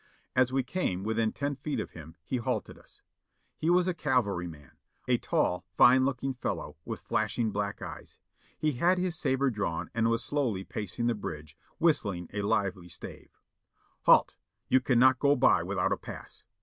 As we came within ten feet of him he halted us. He was a cavalryman, a tall, fine looking fellow, with flashing black eyes. He had his sabre drawn and was slowly pacing the bridge, whist ling a lively stave. "Halt! You cannot go by without a pass."